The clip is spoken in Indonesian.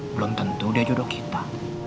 belum tentu dia jodoh kita